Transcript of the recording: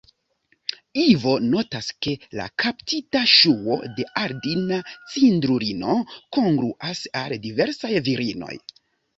Ivo notas, ke la kaptita ŝuo de Aldina-Cindrulino kongruas al diversaj virinoj.